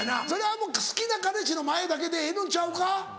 それは好きな彼氏の前だけでええのんちゃうか。